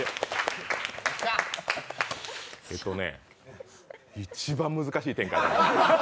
えーとね、一番難しい展開。